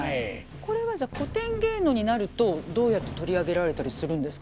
これはじゃあ古典芸能になるとどうやって取り上げられたりするんですかね。